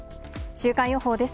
週間予報です。